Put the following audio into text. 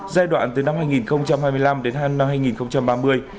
giai đoạn từ năm hai nghìn hai mươi năm đến năm hai nghìn ba mươi